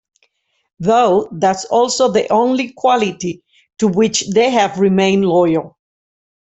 Though that's also the only quality to which they've remained loyal.